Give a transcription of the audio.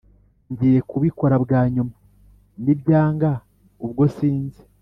Ngiye kubikora bwanyuma nibyanga ubwo sinzi